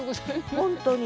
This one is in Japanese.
本当に。